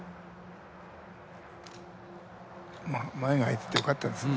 前が空いててよかったですね。